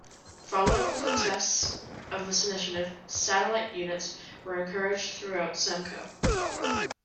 Following the success of this initiative, satellite units were encouraged throughout Semco.